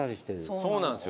そうなんですよ。